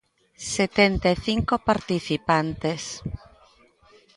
Setenta e cinco participantes.